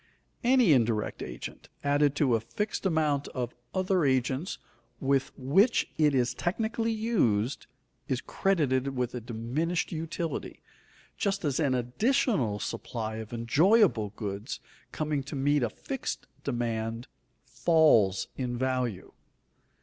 Any indirect agent, added to a fixed amount of other agents with which it is technically used, is credited with a diminished utility, just as an additional supply of enjoyable goods, coming to meet a fixed demand, falls in value.